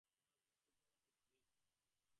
তোমাদের কফি খাওয়াতে পারি?